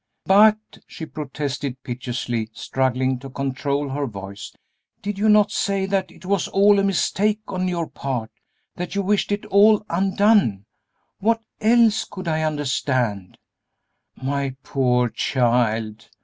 "But," she protested, piteously, struggling to control her voice, "did you not say that it was all a mistake on your part that you wished it all undone? What else could I understand?" "My poor child!"